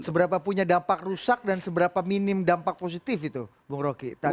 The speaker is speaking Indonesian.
seberapa punya dampak rusak dan seberapa minim dampak positif itu bung rocky